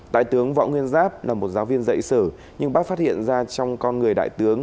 đại tướng võ nguyên giáp là một giáo viên dạy sử nhưng bác phát hiện ra trong con người đại tướng